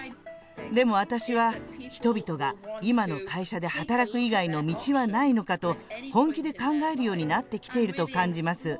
でも、私は、人々が今の会社で働く以外の道はないのかと本気で考えるようになってきていると感じます。